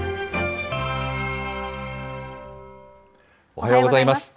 おはようございます。